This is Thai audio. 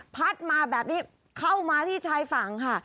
พัดมาแบบนี้เข้ามาที่ชายฝั่งค่ะ